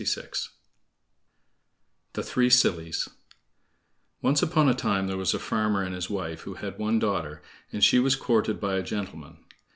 The Three Sillies Once upon a time there was a farmer and his wife who had one daughter, and she was courted by a gentleman.